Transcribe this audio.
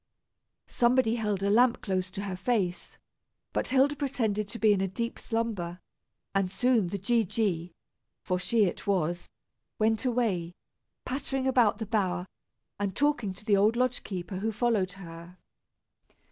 Somebody held a lamp close to her face, but Hilda pretended to be in a deep slumber, and soon the G. G., for she it was, went away, pattering about the bower, and talking to the old lodge keeper, who followed her.